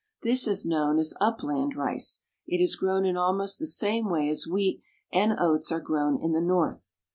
This is known as upland rice. It is grown in almost the same way as wheat and oats are grown in the North.